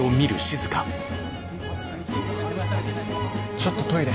ちょっとトイレ。